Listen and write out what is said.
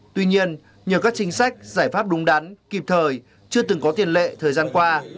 tuy nhiên nhờ các chính sách giải pháp đúng đắn kịp thời chưa từng có tiền lệ thời gian qua